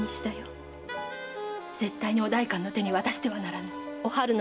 〔絶対にお代官の手に渡してはならぬ〕